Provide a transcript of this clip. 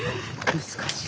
難しい。